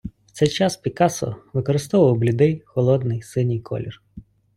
В цей час Пікассо використовував блідий, холодний синій колір.